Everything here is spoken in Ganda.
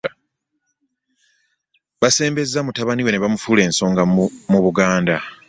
Baasembeza mutabani we ne bamufuula ensonga mu Buganda.